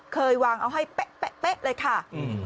เคยวางเอาให้เป๊ะเลยค่ะอืม